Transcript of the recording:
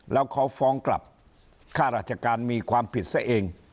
แล้วเขาฟ้องกลับค่าราชการมีความผิดซะเอง